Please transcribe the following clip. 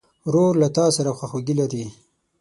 ورور له تا سره خواخوږي لري.